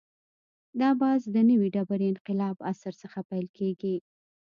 دا بحث د نوې ډبرې انقلاب عصر څخه پیل کېږي.